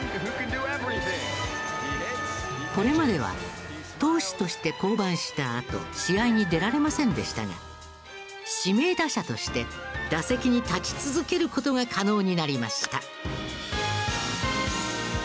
これまでは投手として降板したあと試合に出られませんでしたが指名打者として打席に立ち続ける事が可能になりました。